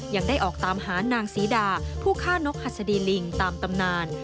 ยังได้ออกตามหานางศรีดาผู้ฆ่านกหัสดีลิงตามตำนาน